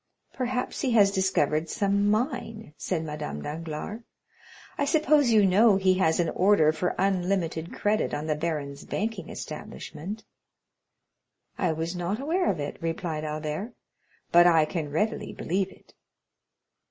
"Perhaps he has discovered some mine," said Madame Danglars. "I suppose you know he has an order for unlimited credit on the baron's banking establishment?" "I was not aware of it," replied Albert, "but I can readily believe it."